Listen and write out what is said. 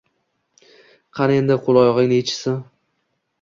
Qani endi qo‘l-oyog‘ini yechishsa